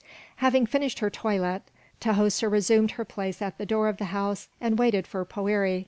Having finished her toilet, Tahoser resumed her place at the door of the house and waited for Poëri.